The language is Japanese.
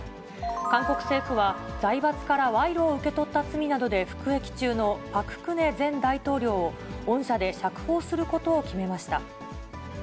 韓国政府は財閥から賄賂を受け取った罪などで服役中のパク・クネ前大統領を、恩赦で釈放することを決めました。